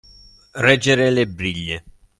Reggere le briglie.